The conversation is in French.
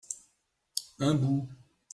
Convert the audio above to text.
un bout.